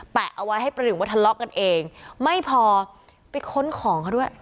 เอาไว้ให้ประหนึ่งว่าทะเลาะกันเองไม่พอไปค้นของเขาด้วย